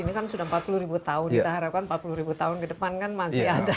ini kan sudah empat puluh ribu tahun kita harapkan empat puluh ribu tahun ke depan kan masih ada